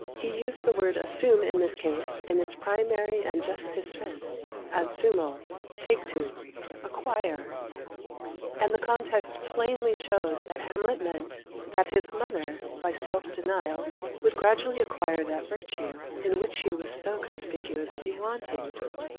He used the word "assume" in this case in its primary and justest sense; ad sumo, take to, acquire; and the context plainly shows that Hamlet meant that his mother, by self denial, would gradually acquire that virtue in which she was so conspicuously wanting.